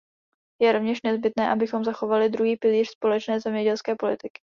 Je rovněž nezbytné, abychom zachovali druhý pilíř společné zemědělské politiky.